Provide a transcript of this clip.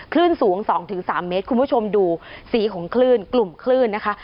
คลื่นสูง๒๓เมตรคุณผู้ชมดูสีของคลื่นกลุ่มคลื่นนะคะ